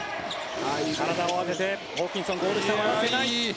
体を当てて、ホーキンソンゴール下に回らせない。